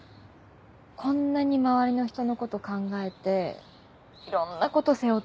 こんなに周りの人のこと考えていろんなこと背負って。